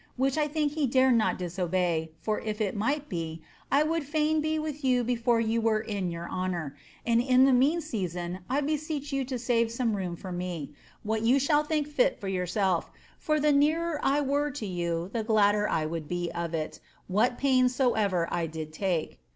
which I tliink he dare not diaobey, for if it might be, I would &in be withfoi before you were in your honour; and in the mean season I beseech yon toavs some room fur me, what you shall tliink lit yourself, for the nearer I were to you the gladder I would be of it, what pains soever I did take.